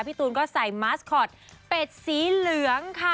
ตูนก็ใส่มาสคอตเป็ดสีเหลืองค่ะ